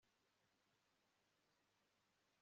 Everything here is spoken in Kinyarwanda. rugeyo yahisemo kubwira jabo ko amukunda